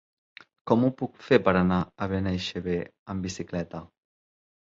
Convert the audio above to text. Com ho puc fer per anar a Benaixeve amb bicicleta?